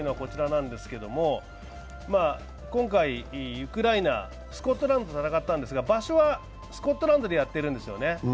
今回ウクライナ、スコットランドと戦ったんですが、場所はスコットランドでやってるんですよね。